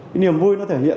cái niềm vui nó thể hiện